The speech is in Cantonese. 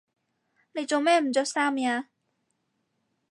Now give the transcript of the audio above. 你做咩唔着衫呀？